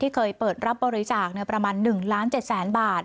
เคยเปิดรับบริจาคประมาณ๑ล้าน๗แสนบาท